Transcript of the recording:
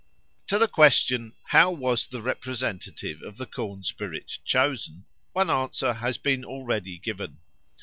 To the question, How was the representative of the corn spirit chosen? one answer has been already given.